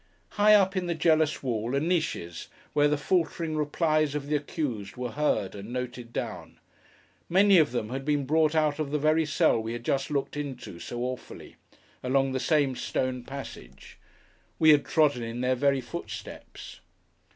High up in the jealous wall, are niches where the faltering replies of the accused were heard and noted down. Many of them had been brought out of the very cell we had just looked into, so awfully; along the same stone passage. We had trodden in their very footsteps.